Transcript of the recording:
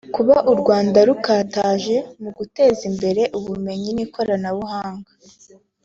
Kuba u Rwanda rukataje mu guteza imbere ubumenyi n’Ikoranabuhanga